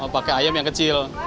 pakai ayam yang kecil